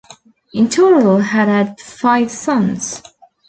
In total, had had five sons.